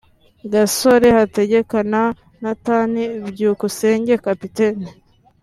Gasore Hategeka na Nathan Byukusenge (Kapiteni)